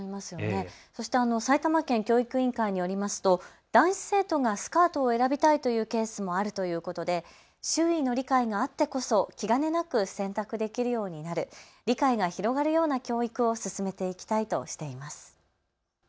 そして埼玉県教育委員会によりますと男子生徒がスカートを選びたいというケースもあるということで周囲の理解があってこそ気兼ねなく選択できるようになる、理解が広がるような教育を進めていきたいとしています。